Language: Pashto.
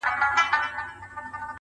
د ورځو په رڼا کي خو نصیب نه وو منلي!